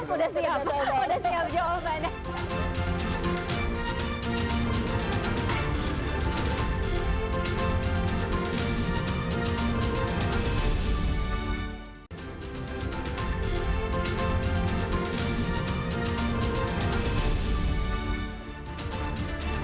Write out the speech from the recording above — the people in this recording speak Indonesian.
udah siap jawabannya